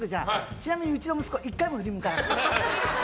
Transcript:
ちなみにうちの息子は１回も振り向かなかった。